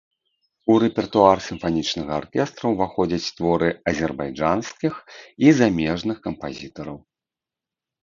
У рэпертуар сімфанічнага аркестра ўваходзяць творы азербайджанскіх і замежных кампазітараў.